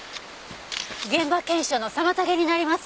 現場検証の妨げになります。